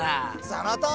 そのとおり。